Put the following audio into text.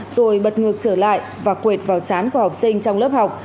rồi bật ngược trở lại và quẹt vào chán của học sinh trong lớp học